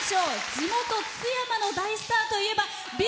地元、津山の大スターといえばＢ